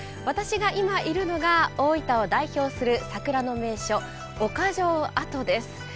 私が今いるのが大分を代表する桜の名所岡城跡です。